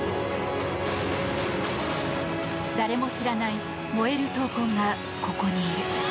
誰も知らない燃える闘魂が、ここにいる。